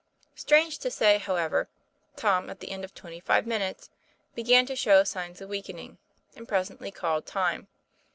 Strange to say, however, Tom, at the end of twenty five minutes, began to show signs of weakening; and presently called time.